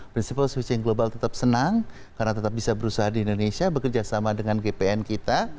prinsipal switching global tetap senang karena tetap bisa berusaha di indonesia bekerjasama dengan gpn kita